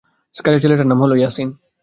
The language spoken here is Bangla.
কাজের ছেলেটার নাম হল ইয়াসিন।